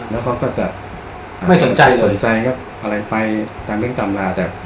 แล้วเขาก็จะไม่สนใจสนใจครับอะไรไปตามเรื่องตำราแต่